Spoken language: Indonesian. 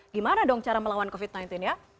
gimana dong cara melawan covid sembilan belas ya